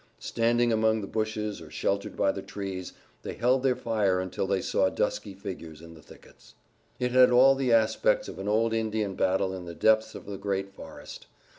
Standing among the bushes or sheltered by the trees they held their fire until they saw dusky figures in the thickets. It had all the aspects of an old Indian battle in the depths of the great forest.